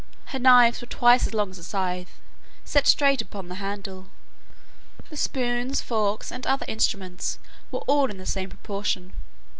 Her knives were twice as long as a scythe, set straight upon the handle. The spoons, forks, and other instruments, were all in the same proportion.